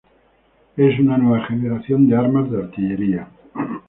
Es una nueva generación de armas de artillería.